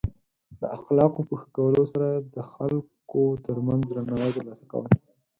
د اخلاقو په ښه کولو سره د خلکو ترمنځ درناوی ترلاسه کول.